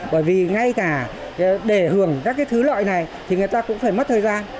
bởi vì ngay cả để hưởng các thứ lợi này thì người ta cũng phải mất thời gian